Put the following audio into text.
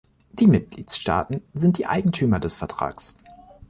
Die Mitgliedstaaten sind die Eigentümer des Vertrags.